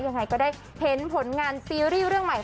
อย่างไรก็ได้เพนต์ผลงานซีรีย์เรื่องใหม่